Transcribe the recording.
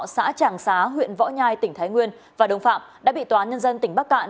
xã tràng xá huyện võ nhai tỉnh thái nguyên và đồng phạm đã bị tòa nhân dân tỉnh bắc cạn